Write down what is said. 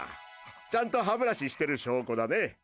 ちゃんと歯ブラシしている証拠だね。